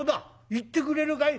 「行ってくれるかい？